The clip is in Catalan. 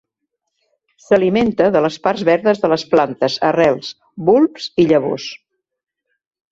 S'alimenta de les parts verdes de les plantes, arrels, bulbs i llavors.